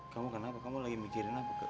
kamu kenapa kamu lagi mikirin apa ke